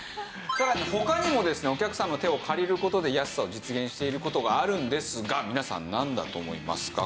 さらに他にもですねお客さんの手を借りる事で安さを実現している事があるんですが皆さんなんだと思いますか？